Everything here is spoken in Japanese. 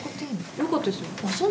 良かったですよ。